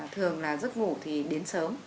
thường là giấc ngủ thì đến sớm